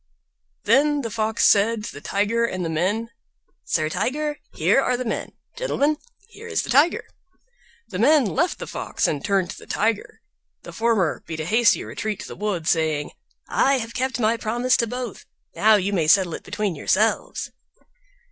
Then the Fox said to the Tiger and the men, "Sir Tiger, here are the men; gentlemen, here is the Tiger." The men left the Fox and turned to the Tiger. The former beat a hasty retreat to the wood, saying, "I have kept my promise to both; now you may settle it between yourselves."